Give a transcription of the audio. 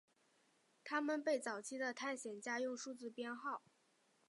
他们被早期的探险家用数字编号。